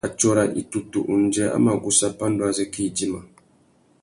Atsôra itutu undjê a mà gussa pandú azê kā idjima.